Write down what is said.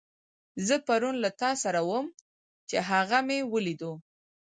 زه پرون له تاسره وم، چې هغه مې وليدو.